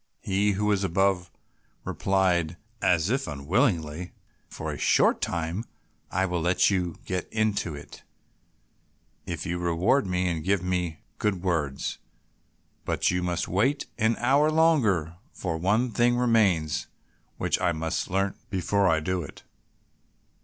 He who was above replied as if unwillingly, "For a short time I will let you get into it, if you reward me and give me good words; but you must wait an hour longer, for one thing remains which I must learn before I do it."